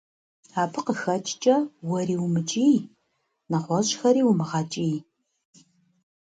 Абы къэхэкӀкӀэ уэри умыкӀий, нэгъуэщӀхэри умыгъэкӀий.